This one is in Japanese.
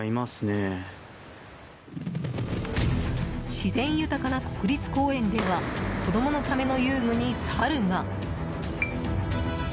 自然豊かな国立公園では子供のための遊具にサルが。